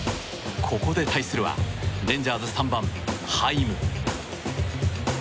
ここで対するはレンジャーズ３番、ハイム。